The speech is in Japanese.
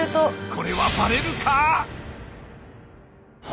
これはバレるか？